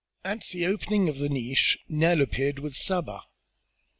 At the opening of the niche Nell appeared with Saba.